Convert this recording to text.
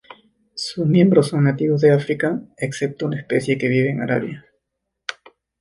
Sus miembros son nativos de África, excepto una especie que vive en Arabia.